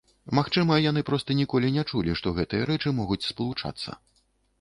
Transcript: Магчыма, яны проста ніколі не чулі, што гэтыя рэчы могуць спалучацца.